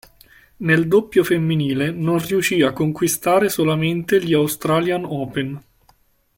Nel doppio femminile non riuscì a conquistare solamente gli Australian Open.